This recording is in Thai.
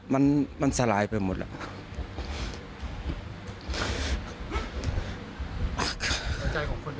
มันสลายไปหมดแล้ว